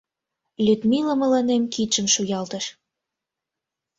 — Людмила мыланем кидшым шуялтыш.